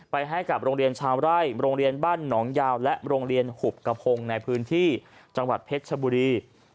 ให้กับโรงเรียนชาวไร่โรงเรียนบ้านหนองยาวและโรงเรียนหุบกระพงในพื้นที่จังหวัดเพชรชบุรี